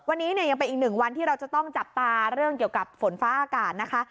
วันนี้เนี่ยยังเป็นอีกหนึ่งวันที่เราจะต้องจับตาเรื่องเกี่ยวกับฝนฟ้าอากาศนะคะ